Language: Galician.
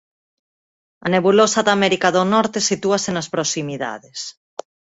A nebulosa da América do Norte sitúase nas proximidades.